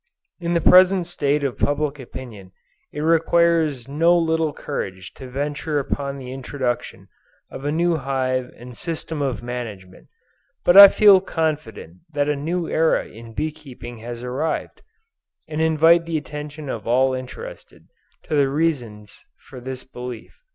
In the present state of public opinion, it requires no little courage to venture upon the introduction of a new hive and system of management; but I feel confident that a new era in bee keeping has arrived, and invite the attention of all interested, to the reasons for this belief.